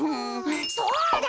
そうだ！